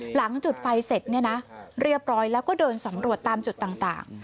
หลังจุดไฟเสร็จเนี่ยนะเรียบร้อยแล้วก็เดินสำรวจตามจุดต่าง